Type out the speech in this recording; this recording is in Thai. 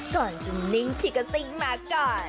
ก่อนจุดนิ่งที่ก็ซิ้งมาก่อน